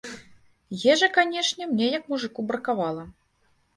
Ежы, канечне, мне як мужыку бракавала.